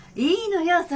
いいのよ。